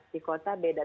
di kota beda